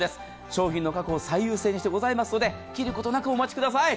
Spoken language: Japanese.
商品の確保を最優先にしてございますので切ることなくお待ちください。